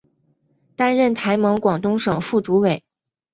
担任台盟广东省副主委。